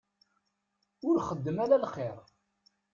Ur xeddem ala lxir.